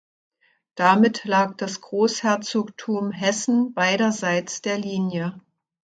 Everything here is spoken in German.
Damit lag das Großherzogtum Hessen beiderseits der Linie.